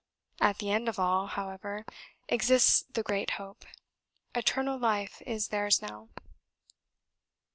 At the end of all, however, exists the Great Hope. Eternal Life is theirs now."